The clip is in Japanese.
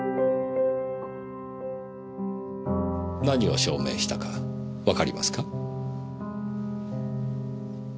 何を証明したかわかりますか？